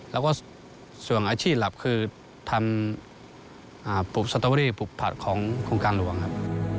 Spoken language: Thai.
แล้วก็ส่วนอาชีพหลักคือทำปลูกสตอรี่ปลูกผักของโครงการหลวงครับ